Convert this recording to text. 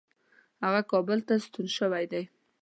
هغه کابل ته ستون شوی دی.